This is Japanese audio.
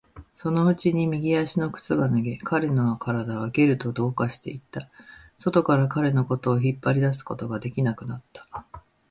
そのうちに右足の靴が脱げ、彼の体はゲルと同化していった。外から彼のことを引っ張り出すことができなくなった。